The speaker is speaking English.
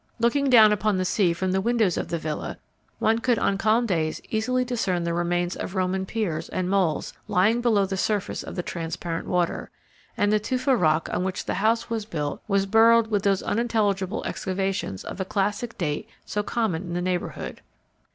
Looking down upon the sea from the windows of the villa, one could on calm days easily discern the remains of Roman piers and moles lying below the surface of the transparent water; and the tufa rock on which the house was built was burrowed with those unintelligible excavations of a classic date so common in the neighbourhood.